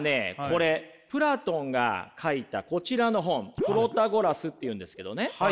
これプラトンが書いたこちらの本「プロタゴラス」っていうんですけどね。